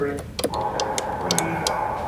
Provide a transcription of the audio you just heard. বন্ধুত্বের একটি নিয়ম, কোন সরি না, কোন থ্যাংক ইউ না।